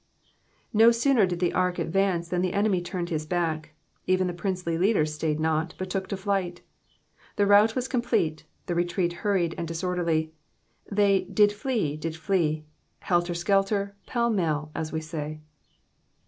No sooner did the ark advance than the enemy turned his back : even the princely leaders stayed not, but took to flight. The rout was complete, the retreat hurried and disorderly ;— they did flee, did flee ;*' belter skelter, pell mell, as we say.